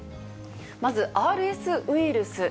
まずＲＳウイルス。